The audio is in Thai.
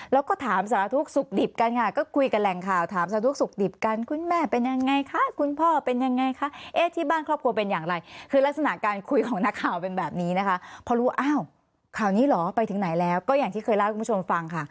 แล้วก็ถามสารทุกข์สุขดิบกันก็คุยกับแรงข่าวถามสารทุกข์สุขดิบกันคุณแม่เป็นยังไงคะคุณพ่อเป็นยังไงคะที่บ้านครอบครัวเป็นอย่างไรคือลักษณะการคุยของนักข่าวเป็นแบบนี้นะคะ